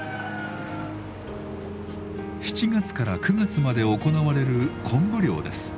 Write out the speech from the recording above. ７月から９月まで行われる昆布漁です。